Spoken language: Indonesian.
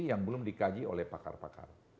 yang belum dikaji oleh pakar pakar